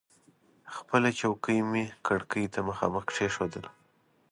خپله چوکۍ مې کړکۍ ته مخامخ کېښودله.